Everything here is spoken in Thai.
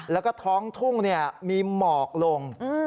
แล้วก็ท้องทุ่งมีหมอกลง